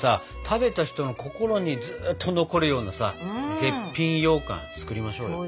食べた人の心にずっと残るようなさ絶品ようかん作りましょうよ。